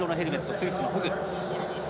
スイスのフグ。